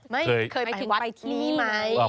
ไม่ถึงไปที่นี่ไหม